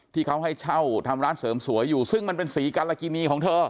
ที่เขาให้เช่าทำร้านเสริมสวยอยู่ซึ่งมันเป็นสีการากินีของเธอ